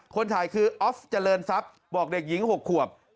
คนถ่ายคือออฟเจริญทรัพย์บอกเด็กหญิง๖ขวบ